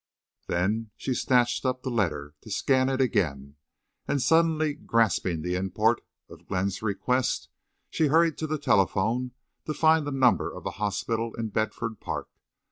Then she snatched up the letter, to scan it again, and, suddenly grasping the import of Glenn's request, she hurried to the telephone to find the number of the hospital in Bedford Park.